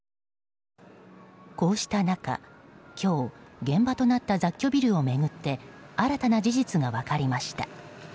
こうした中、今日現場となった雑居ビルを巡って新たな事実が分かりました。